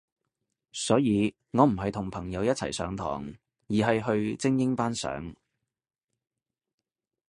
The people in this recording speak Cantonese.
所以我唔係同朋友一齊上堂，而係去精英班上